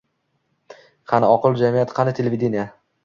Qani oqil jamiyat, qani televideniye?